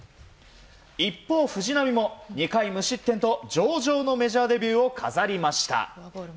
一方、藤浪も２回無失点と上々のメジャーデビューを飾りました。